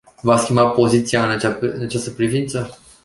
V-ați schimbat poziția în această privință?